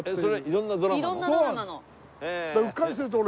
色んなドラマの。